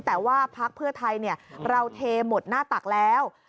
แต่ว่าพักเพื่อไทยเราเทหมดหน้าตักแล้ว